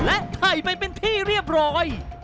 และไข่ไปเป็นที่เรียบร้อย